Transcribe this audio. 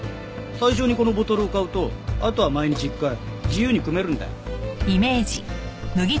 最初にこのボトルを買うとあとは毎日１回自由にくめるんだよ。